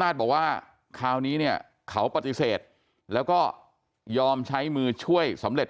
นาฏบอกว่าคราวนี้เนี่ยเขาปฏิเสธแล้วก็ยอมใช้มือช่วยสำเร็จ